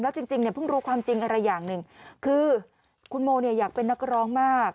จริงเนี่ยเพิ่งรู้ความจริงอะไรอย่างหนึ่งคือคุณโมเนี่ยอยากเป็นนักร้องมาก